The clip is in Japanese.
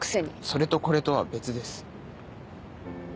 それとこれとは別です。